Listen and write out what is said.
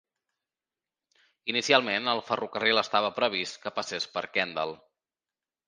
Inicialment, el ferrocarril estava previst que passés per Kendal.